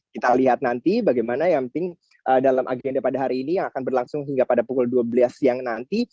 kita lihat nanti bagaimana yang penting dalam agenda pada hari ini yang akan berlangsung hingga pada pukul dua belas siang nanti